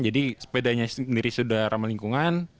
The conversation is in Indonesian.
jadi sepedanya sendiri sudah ramah lingkungan